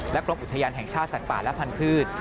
และกรบอุทยานแห่งชาติศักดิ์ป่าลและพันธุ์พืช